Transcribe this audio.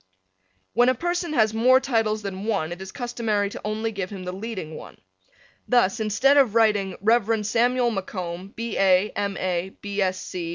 When a person has more titles than one it is customary to only give him the leading one. Thus instead of writing Rev. Samuel MacComb, B. A., M. A.